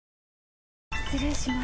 失礼します。